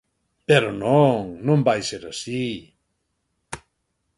Pero non, non vai ser así.